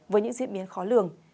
với những diễn biến khó lường